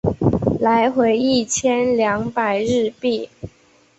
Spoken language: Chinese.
来回一千两百日币